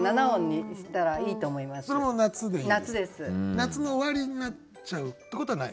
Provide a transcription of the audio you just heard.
夏の終わりになっちゃうってことはない？